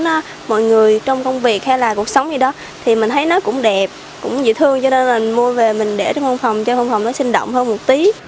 mọi người trong công việc hay là cuộc sống gì đó thì mình thấy nó cũng đẹp cũng dị thương cho nên mình mua về mình để trong phòng cho hôm phòng nó sinh động hơn một tí